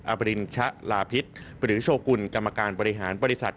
บริณชะลาพิษหรือโชกุลกรรมการบริหารบริษัท